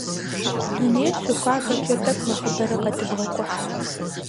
Дунейр щыхуабэкӏэ, тӏэкӏу нэхъыбэрэ къэдывгъэкӏухь.